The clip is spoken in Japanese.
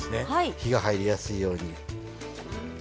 火が入りやすいように。